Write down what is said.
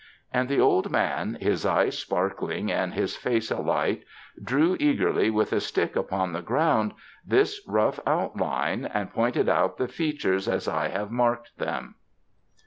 And the old man, his eyes sparkling and his face alight, drew eagerly with a stick upon the ground this rough outline, and pointed out the features as I have marked them.